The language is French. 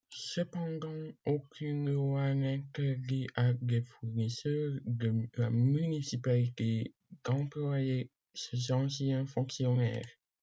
Cependant aucune loi n'interdit à des fournisseurs de la municipalité d'employer ces anciens fonctionnaires.